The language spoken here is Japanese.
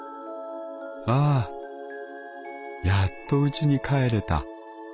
『ハァやっとうちに帰れた』